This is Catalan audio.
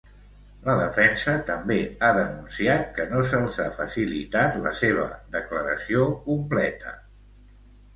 La defensa també ha denunciat que no se'ls ha facilitat la seva declaració completa.